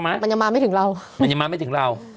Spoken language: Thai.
จากที่ตอนแรกอยู่ที่๑๐กว่าศพแล้ว